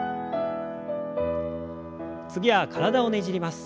次は体をねじります。